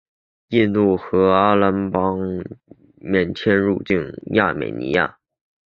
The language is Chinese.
印度和阿联酋的外交护照持有者可免签证入境亚美尼亚。